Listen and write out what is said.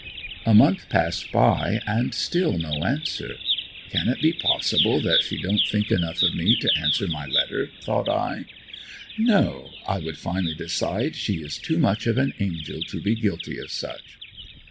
A month passed by and still no answer. Can it be possible that she don't think enough of me to answer my letter? thought I. "No," I would finally decide, "she is too much of an angel to be guilty of such."